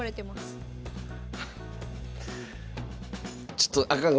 ちょっとあかん。